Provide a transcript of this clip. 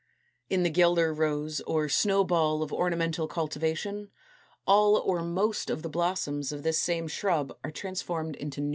In the Guelder Rose, or Snow ball of ornamental cultivation, all or most of the blossoms of this same shrub are transformed into neutral flowers.